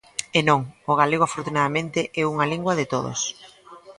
E non, o galego, afortunadamente, é unha lingua de todos.